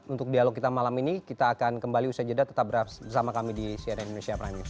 untuk dialog kita malam ini kita akan kembali usai jeda tetap bersama kami di cnn indonesia prime news